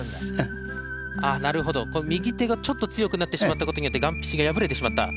右手がちょっと強くなってしまったことによってがん皮紙が破れてしまった。